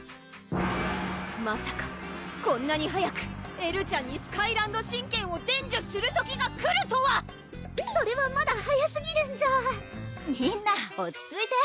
まさかこんなに早くエルちゃんにスカイランド神拳を伝授する時が来るとはそれはまだ早すぎるんじゃ⁉みんな落ち着いて！